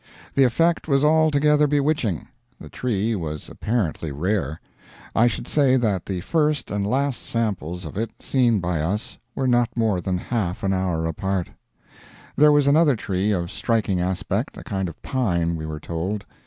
The effect was altogether bewitching. The tree was apparently rare. I should say that the first and last samples of it seen by us were not more than half an hour apart. There was another tree of striking aspect, a kind of pine, we were told.